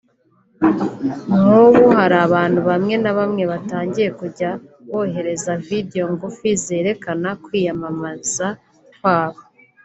nk’ubu hari abantu bamwe na bamwe batangiye kujya bohereza video ngufi zerekana kwiyamamaza kwabo